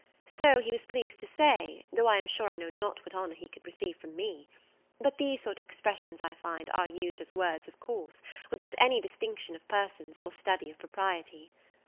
So he was pleased to say, though I am sure I know not what honour he could receive from me; but these sort of expressions, I find, are used as words of course, without any distinction of persons, or study of propriety.